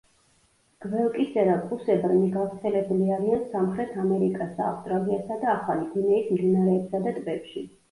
გველკისერა კუსებრნი გავრცელებული არიან სამხრეთ ამერიკასა, ავსტრალიასა და ახალი გვინეის მდინარეებსა და ტბებში.